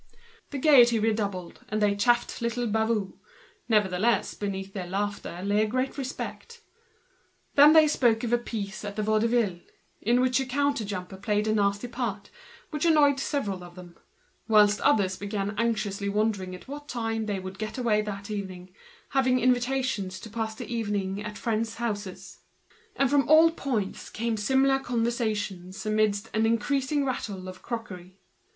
The gaiety redoubled, they chaffed little Bavoux, but still beneath this laughter there lay a great respect. They then spoke of a piece at the Vaudeville, in which a counter jumper played a nasty part, which annoyed several of them, whilst others were anxiously wondering what time they would get away, having invitations to pass the evening at friends' houses; and from all points were heard similar conversations amidst the increasing noise of the crockery.